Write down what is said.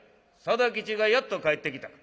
定吉がやっと帰ってきた。